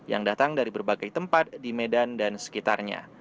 yang datang dari berbagai tempat di medan dan sekitarnya